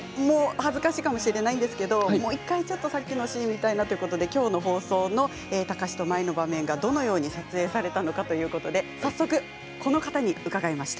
恥ずかしいかもしれないんですけどもう１回さっきのシーンを見たいなということで今日の放送の貴司と舞の場面がどのように撮影されたのかということで早速、この方に伺いました。